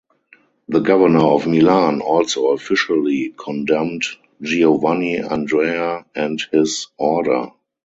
The governor of Milan also officially condemned Giovanni Andrea and his order.